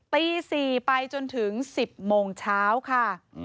ตี๔ไปจนถึง๑๐โมงเช้าค่ะ